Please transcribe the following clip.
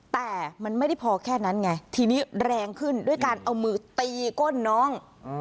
แต่มันไม่ได้พอแค่นั้นไงทีนี้แรงขึ้นด้วยการเอามือตีก้นน้อง